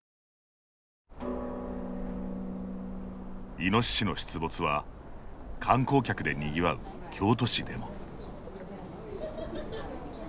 イノシシの出没は観光客でにぎわう京都市でも。